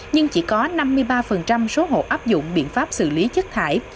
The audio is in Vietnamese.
nhưng chỉ có năm mươi ba số hộ áp dụng biện pháp xử lý chất thải